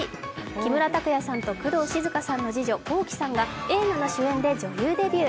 木村拓哉さんと工藤静香さんの次女Ｋｏｋｉ，さんが映画が主演で女優デビュー。